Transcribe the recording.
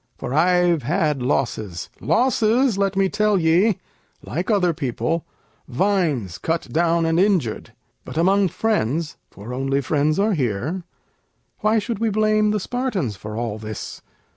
For I've had losses losses, let me tell ye, Like other people; vines cut down and injured. But among friends (for only friends are here), Why should we blame the Spartans for all this?